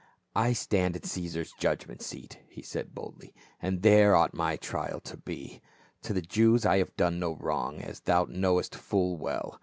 " I stand at Caesar's judgment seat," he said boldly, " and there ought my trial to be. To the Jews I have done no wrong, as thou knowest full well.